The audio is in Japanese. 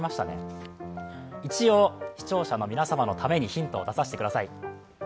一応視聴者の皆様のためにヒントを出させてください。